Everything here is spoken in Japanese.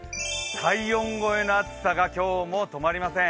体温超えの暑さが今日も止まりません。